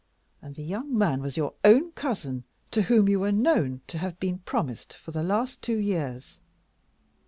And the young man was your own cousin, to whom you were known to have been promised for the last two years."